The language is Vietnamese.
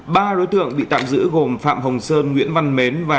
ba đối tượng bị tạm giữ gồm phạm hồng sơn nguyễn văn mến và